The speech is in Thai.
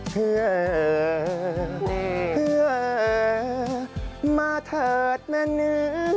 เห้อเห้อมาเถิดแม่เนื้อหนู